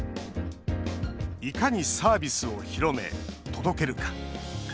いかにサービスを広め、届けるか。